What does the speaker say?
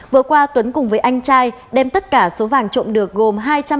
vừa qua tuấn cùng với anh trai đem tất cả số vàng trộm được gồm